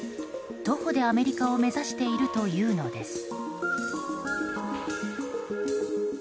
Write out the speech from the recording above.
徒歩でアメリカを目指しているというのです。